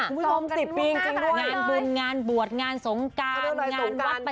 คุณผู้ชม๑๐ปีจริงดูงานบุญงานบวชงานสงการงานวัด